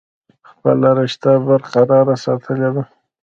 خپله رشته برقرار ساتلي ده ۔